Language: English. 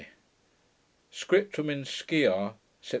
Scriptum in Skia, Sept.